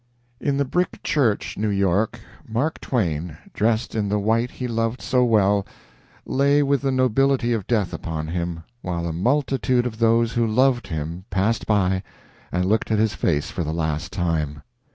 In the Brick Church, New York, Mark Twain dressed in the white he loved so well lay, with the nobility of death upon him, while a multitude of those who loved him passed by and looked at his face for the last time.